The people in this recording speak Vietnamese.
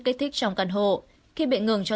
kích thích trong căn hộ khi bị ngừng cho